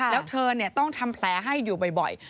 แล้วเธอต้องทำแผลให้อยู่บ่อย